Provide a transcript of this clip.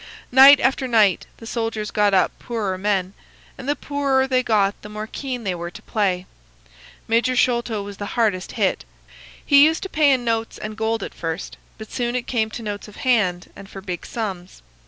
Night after night the soldiers got up poorer men, and the poorer they got the more keen they were to play. Major Sholto was the hardest hit. He used to pay in notes and gold at first, but soon it came to notes of hand and for big sums.